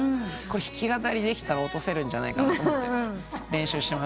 弾き語りできたら落とせるんじゃないかと思って練習しました。